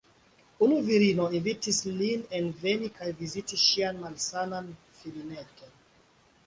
Unu virino invitis lin enveni kaj viziti ŝian malsanan filineton.